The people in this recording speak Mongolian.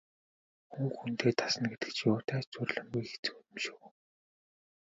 Хүн хүндээ дасна гэдэг юутай ч зүйрлэмгүй хэцүү юм шүү.